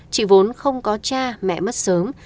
chị vốn không có cha mẹ mất sớm